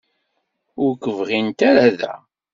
Ur k-bɣint ara da.